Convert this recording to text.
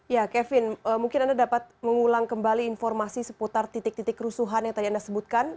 ya kevin mungkin anda dapat mengulang kembali informasi seputar titik titik kerusuhan yang tadi anda sebutkan